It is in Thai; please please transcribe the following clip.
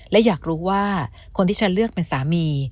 และอยากรู้ว่าคนที่ฉันเลือกเป็นสามี